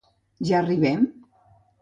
Ja arribem?